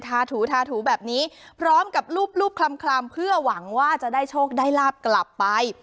ถูทาถูแบบนี้พร้อมกับรูปคลำเพื่อหวังว่าจะได้โชคได้ลาบกลับไป